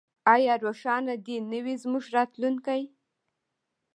آیا روښانه دې نه وي زموږ راتلونکی؟